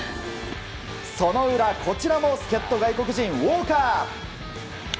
その裏、こちらも助っ人外国人ウォーカー。